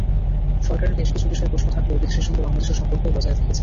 সরকারের বেশ কিছু বিষয়ে প্রশ্ন থাকলেও বিদেশের সঙ্গে বাংলাদেশের সম্পর্কও বজায় থেকেছে।